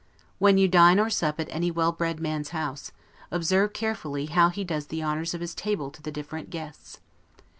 When you dine or sup at any well bred man's house, observe carefully how he does the honors of his table to the different guests.